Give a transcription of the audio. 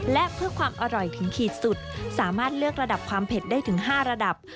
และเพื่อความอร่อยถึงขีดสุดสามารถเลือกระดับความเผ็ดได้ถึง๕ระดับ